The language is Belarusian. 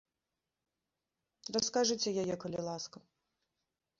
Раскажыце яе, калі ласка.